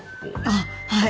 ああはい。